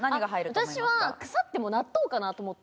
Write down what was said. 私は腐っても納豆かなと思った。